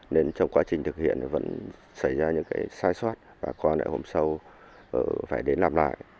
nên trong quá trình thực hiện thì vẫn xảy ra những cái sai soát và con lại hôm sau phải đến làm lại